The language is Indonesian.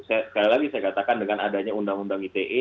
sekali lagi saya katakan dengan adanya undang undang ite